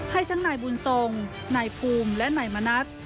ให้ทั้งนายบุญทรงนายภูมิและนายมณัฐ